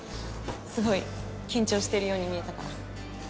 すごい緊張してるように見えたから。